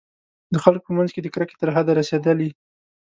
د خلکو په منځ کې د کرکې تر حده رسېدلي.